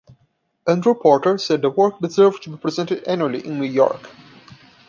Andrew Porter said the work deserved to be presented annually in New York.